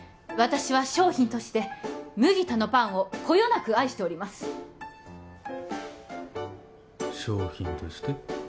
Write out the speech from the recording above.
私は商品として麦田のパンをこよなく愛しております商品として？